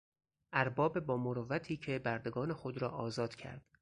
ارباب با مروتی که بردگان خود را آزاد کرد.